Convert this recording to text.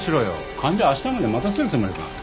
患者明日まで待たせるつもりか？